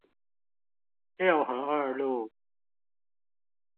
六合二路